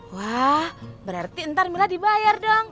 wah berarti ntar mila dibayar dong